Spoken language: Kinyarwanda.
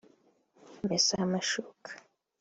mesa amashuka